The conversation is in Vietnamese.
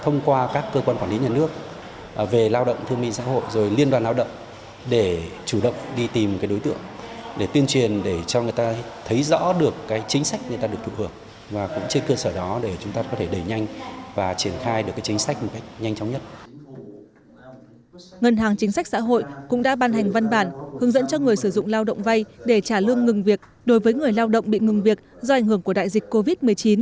ngân hàng chính sách xã hội cũng đã ban hành văn bản hướng dẫn cho người sử dụng lao động vay để trả lương ngừng việc đối với người lao động bị ngừng việc do ảnh hưởng của đại dịch covid một mươi chín